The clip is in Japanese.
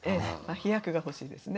飛躍が欲しいですね。